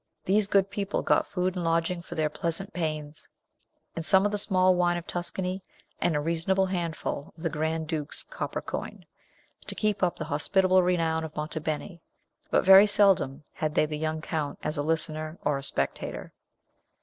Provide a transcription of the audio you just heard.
These good people got food and lodging for their pleasant pains, and some of the small wine of Tuscany, and a reasonable handful of the Grand Duke's copper coin, to keep up the hospitable renown of Monte Beni. But very seldom had they the young Count as a listener or a spectator.